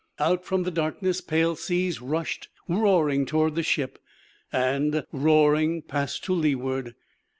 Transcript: Out from the darkness pale seas rushed, roaring, toward the ship; and, roaring, passed to leeward.